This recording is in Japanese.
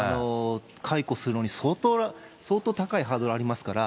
解雇するのに相当、高いハードルありますから。